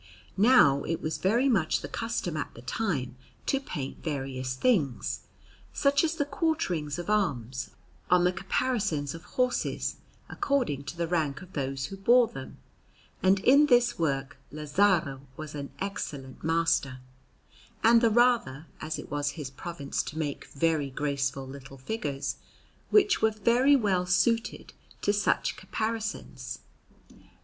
Now it was very much the custom at that time to paint various things, such as the quarterings of arms, on the caparisons of horses, according to the rank of those who bore them; and in this work Lazzaro was an excellent master, and the rather as it was his province to make very graceful little figures, which were very well suited to such caparisons.